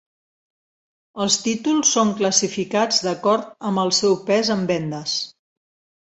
Els títols són classificats d'acord amb el seu 'pes' en vendes.